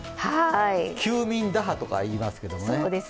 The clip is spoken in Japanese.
休眠打破とか言いますけどね。